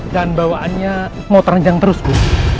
dan bawaannya mau terenjang terus bu